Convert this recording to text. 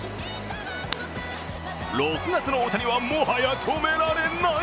６月の大谷は、もはや止められない。